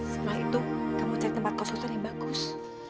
setelah itu kamu cari tempat kos kosan yang bagus